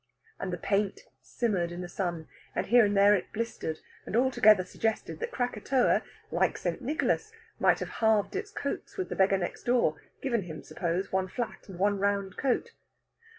And the paint simmered in the sun, and here and there it blistered and altogether suggested that Krakatoa, like St. Nicholas, might have halved its coats with the beggar next door given him, suppose, one flat and one round coat.